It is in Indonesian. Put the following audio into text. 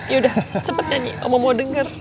yaudah cepet nyanyi oma mau denger